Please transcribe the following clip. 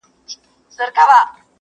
o دا کيسه غميزه انځوروي,